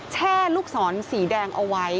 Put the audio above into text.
แช่ลูกศรสีแดงเอาไว้